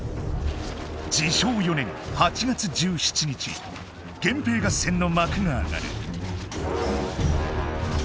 治承４年８月１７日源平合戦の幕があがる。